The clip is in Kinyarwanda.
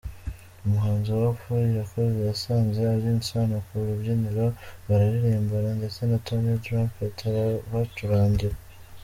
Umuhanzi Hope Irakoze yasanze Alyn Sano ku rubyiniro, bararirimbana ndetse na Tonny Trumpet arabacurangira.